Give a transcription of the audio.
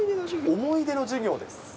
思い出の授業です。